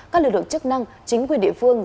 các lực lượng chức năng chính quyền địa phương